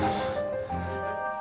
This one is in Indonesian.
apa polisi udah punya bukti